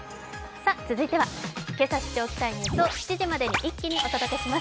続いてはけさ知っておきたいニュースを７時までに一気にお伝えします。